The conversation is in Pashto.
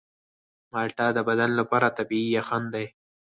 مالټه د بدن لپاره طبیعي یخن دی.